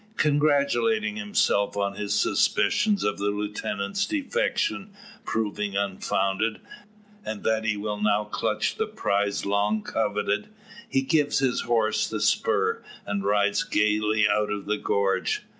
Congratulating himself on his suspicions of the lieutenant's defection proving unfounded, and that he will now clutch the prize long coveted, he gives his horse the spur, and rides gaily out of the gorge.